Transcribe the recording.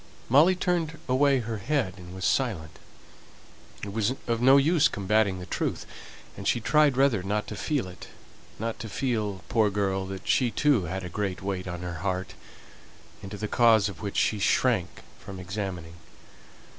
Molly turned away her head, and was silent; it was of no use combating the truth, and she tried rather not to feel it not to feel, poor girl, that she too had a great weight on her heart, into the cause of which she shrank from examining.